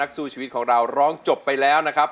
สู้ชีวิตของเราร้องจบไปแล้วนะครับ